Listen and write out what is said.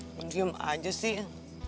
mencium aja sih